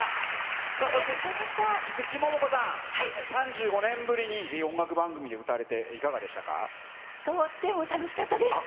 そして菊池桃子さん、３５年ぶりに音楽番組で歌われて、いかがでとっても楽しかったです。